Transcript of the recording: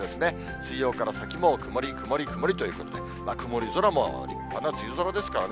水曜から先も曇り、曇り、曇りということで、曇り空も立派な梅雨空ですね。